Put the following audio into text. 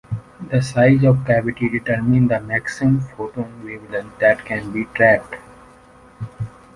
The size of the cavity determines the maximum photon wavelength that can be trapped.